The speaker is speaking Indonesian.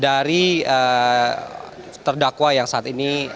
dari terdakwa yang saat ini